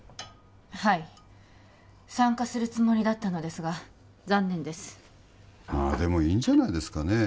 はい参加するつもりだったのですが残念ですまあでもいいんじゃないですかね